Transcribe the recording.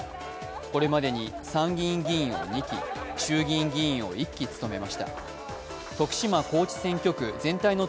これまでに参議院議員を２期衆議院議員を１期務めました。